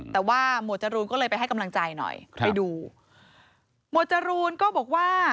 แต่ว่าหมวดจรูนก็เลยไปให้กำลังใจหน่อยไปดูหมวดจรูนก็บอกว่า